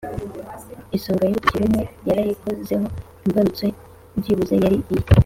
isonga y'urutoki rumwe yarayikozeho! imbarutso byibuze yari iye!